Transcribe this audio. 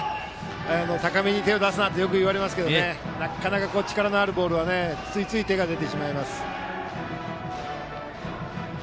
高めに手を出すなとよく言われますがなかなか、力のあるボールにはついつい手が出てしまいます。